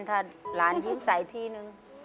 ถ้าหลานยิ้มใส่ทีนึง